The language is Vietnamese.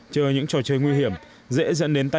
chơi những trò chơi nguy hiểm dễ dẫn đến tay